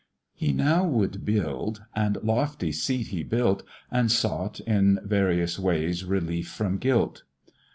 He now would build, and lofty seat he built, And sought, in various ways, relief from guilt.